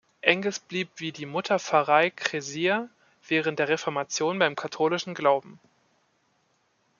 Enges blieb wie die Mutterpfarrei Cressier während der Reformation beim katholischen Glauben.